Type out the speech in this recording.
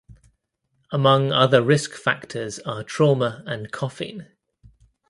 Among other risk factors are trauma and coughing.